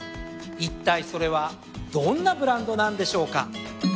いったいそれはどんなブランドなんでしょうか？